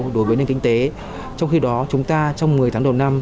đối với nền kinh tế trong khi đó chúng ta trong một mươi tháng đầu năm